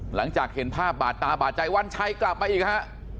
หลังจากเห็นภาพบาดตาบาดใจวันชัยกลับมาอีกฮะ